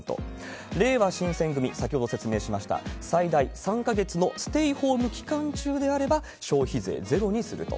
れいわ新選組、先ほど説明しました、最大３か月のステイホーム期間中であれば、消費税ゼロにすると。